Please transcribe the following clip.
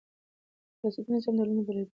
د اقتصادي نظام ډولونه بېلابیل دي.